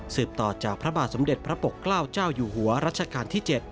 ต่อจากพระบาทสมเด็จพระปกเกล้าเจ้าอยู่หัวรัชกาลที่๗